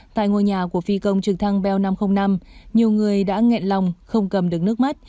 tại ngôi nhà của phi công trực thăng bel năm trăm linh năm nhiều người đã nghẹn lòng không cầm được nước mắt